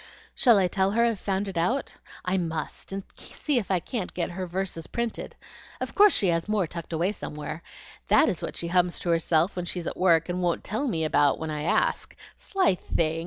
"Shall I tell her I've found it out? I must! and see if I can't get her verses printed. Of course she has more tucked away somewhere. That is what she hums to herself when she's at work, and won't tell me about when I ask. Sly thing!